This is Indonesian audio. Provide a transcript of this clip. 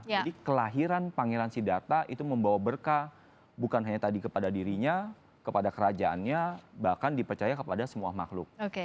jadi kelahiran pangeran siddhartha itu membawa berkah bukan hanya tadi kepada dirinya kepada kerajaannya bahkan dipercaya kepada semua makhluk